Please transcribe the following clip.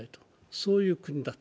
そういう国だと。